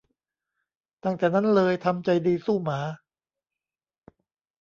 ตั้งแต่นั้นเลยทำใจดีสู้หมา